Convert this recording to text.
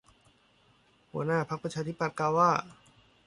หัวหน้าพรรคประชาธิปัตย์กล่าวว่า